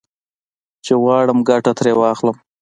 چې غواړم ګټه ترې واخلم.